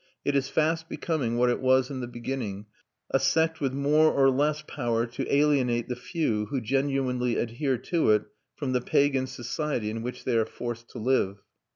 It is fast becoming what it was in the beginning, a sect with more or less power to alienate the few who genuinely adhere to it from the pagan society in which they are forced to live.